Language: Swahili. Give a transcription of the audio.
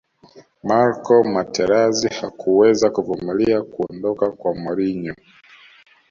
marco materazi hakuweza kuvumilia kuondoka kwa mourinho